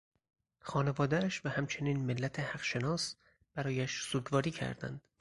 خانوادهاش و همچنین ملت حق شناس برایش سوگواری کردند.